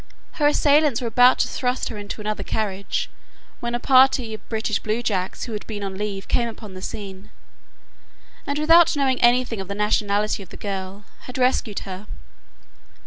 Her assailants were about to thrust her into another carriage, when a party of British bluejackets who had been on leave came upon the scene, and, without knowing anything of the nationality of the girl, had rescued her.